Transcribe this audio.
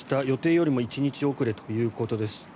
予定よりも１日遅れということです。